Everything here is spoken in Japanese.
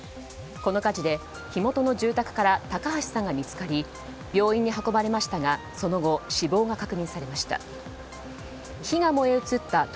この火事で、火元の住宅から高橋さんが見つかり病院に運ばれましたがその後、死亡が確認されました。